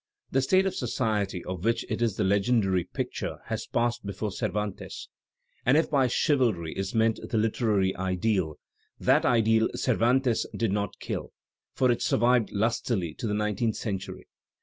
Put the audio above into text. The state of society of which it is the legendary picture had passed before Cervantes; and if by chivalry is meant the literary ideal, that ideal Cervantes did not kill, for it survived lustily to the nine teenth century.